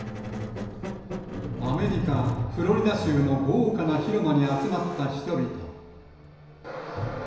アメリカ・フロリダ州の豪華な広間に集まった人々。